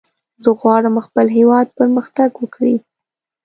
زه غواړم خپل هېواد پرمختګ وکړي.